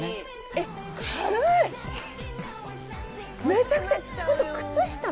えっ軽っ。